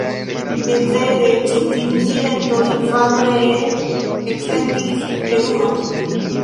Meze de ĉi tiu silento Ivano ree eksentis teruron.